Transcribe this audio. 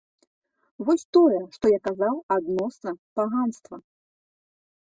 Вось тое, што я казаў адносна паганства.